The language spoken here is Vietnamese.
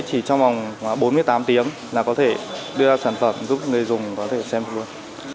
chỉ trong vòng bốn mươi tám tiếng là có thể đưa ra sản phẩm giúp người dùng có thể xem luôn